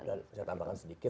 dan saya tambahkan sedikit